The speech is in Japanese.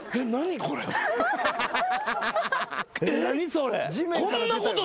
それ。